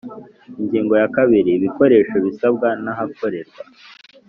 Ingingo ya kabiri Ibikoresho bisabwa n ahakorerwa